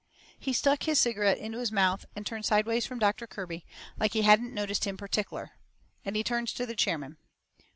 He stuck his cigarette into his mouth and turned sideways from Doctor Kirby, like he hadn't noticed him pertic'ler. And he turns to the chairman.